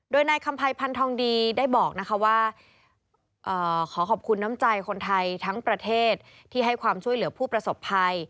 โดยนายคำภัยพันธองดีได้บอกนะคะว่าขอขอบคุณน้ำใจคนไทยทั้งประเทศที่ให้ความช่วยเหลือผู้ประสบภัย